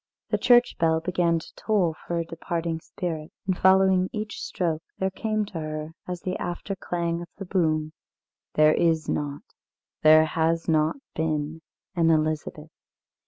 The church bell began to toll for a departing spirit. And following each stroke there came to her, as the after clang of the boom: "There is not, there has not been, an Elizabeth.